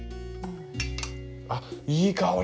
あっいい香り！